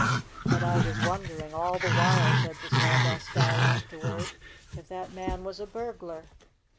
"But I was wondering, all the while," said the Sawdust Doll afterward, "if that man was a burglar.